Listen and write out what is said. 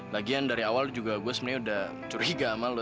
lagian dari awal juga gue sebenarnya udah curiga sama lo